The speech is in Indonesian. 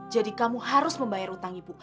jadi kamu harus membayar utang ibu